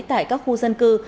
tại các khu dân cư